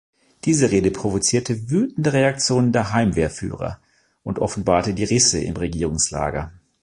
Diese Rede provozierte wütende Reaktionen der Heimwehrführer und offenbarte die Risse im Regierungslager.